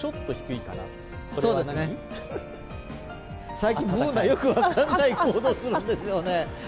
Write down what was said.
最近、Ｂｏｏｎａ、よく分からない行動するんですよね。